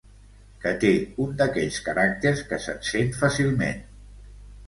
Que té un d'aquells caràcters que s'encén fàcilment.